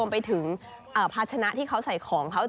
ไปถึงภาชนะที่เขาใส่ของเขา